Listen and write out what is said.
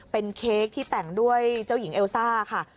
เป็นเค้กที่แต่งด้วยเจ้าหญิงเอลซ่าค่ะ